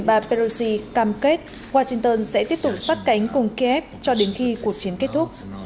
bà peroshi cam kết washington sẽ tiếp tục sát cánh cùng kiev cho đến khi cuộc chiến kết thúc